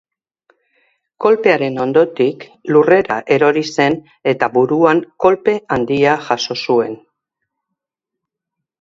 Kolpearen ondotik, lurrera erori zen eta buruan kolpe handia jaso zuen.